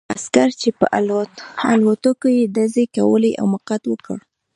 هغه عسکر چې په الوتکو یې ډزې کولې حماقت وکړ